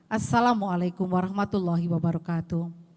assalamualaikum warahmatullahi wabarakatuh